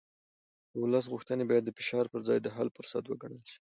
د ولس غوښتنې باید د فشار پر ځای د حل فرصت وګڼل شي